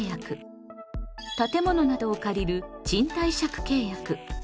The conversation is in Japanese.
建物などを借りる賃貸借契約。